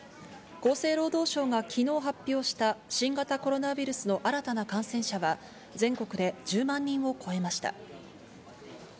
厚生労働省は昨日発表した新型コロナウイルスの新たな感染者は全国で１０万人を超えました。